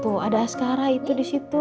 tuh ada askara itu di situ